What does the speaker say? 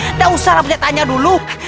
nggak usah lah punya tanya dulu